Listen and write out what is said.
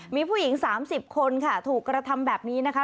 มีผู้หญิง๓๐คนค่ะถูกกระทำแบบนี้นะคะ